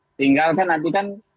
nah tinggal saya lanjutkan